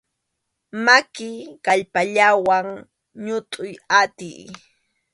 Maki kallpallawan ñutʼuy atiy.